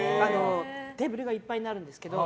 テーブルがいっぱいになるんですけど。